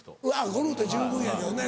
ゴルフ十分やけどね